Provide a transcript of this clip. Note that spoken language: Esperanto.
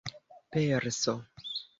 perso